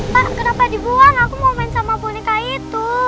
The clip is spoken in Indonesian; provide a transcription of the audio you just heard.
pak kenapa dibuang aku mau main sama boneka itu